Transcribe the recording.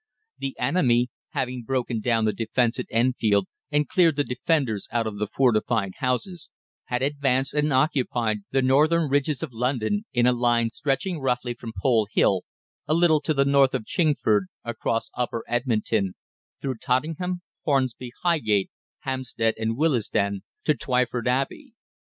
The enemy having broken down the defence at Enfield and cleared the defenders out of the fortified houses, had advanced and occupied the northern ridges of London in a line stretching roughly from Pole Hill, a little to the north of Chingford, across Upper Edmonton, through Tottenham, Hornsey, Highgate, Hampstead, and Willesden, to Twyford Abbey.